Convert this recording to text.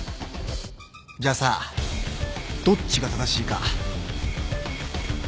じゃあさどっちが正しいか賭けてみる？